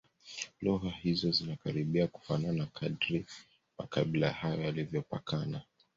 Lugha hizo zinakaribia kufanana kadiri makabila hayo yalivyopakana